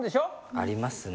ありますね